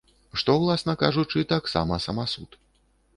Што, уласна кажучы, таксама самасуд.